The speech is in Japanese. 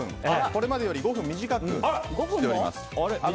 これまでより５分短くしております。